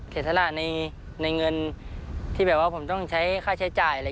เสียสละในเงินที่แบบว่าผมต้องใช้ค่าใช้จ่าย